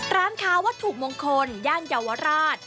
ร้านค้าวัตถุมงคลย่านเยาวราช